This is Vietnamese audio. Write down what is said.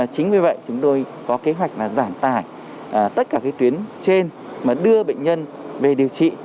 chính vì vậy chúng tôi có kế hoạch là giảm tải tất cả tuyến trên mà đưa bệnh nhân về điều trị